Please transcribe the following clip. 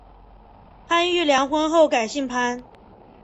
潘玉良婚后改姓潘。